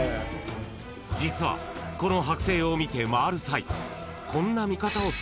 ［実はこの剥製を見て回る際］